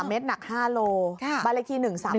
๓เมตรหนัก๕กิโลกรัมค่ะบริกิ๑๓๕